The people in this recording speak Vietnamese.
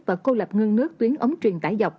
và cô lập ngưng nước tuyến ống truyền tải dọc